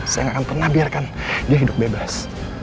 saya nggak akan pernah biarkan dia hidup bebas